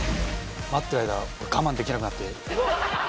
待ってる間我慢できなくなって。